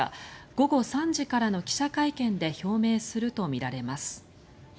午後３時からの記者会見で表明するとみられます。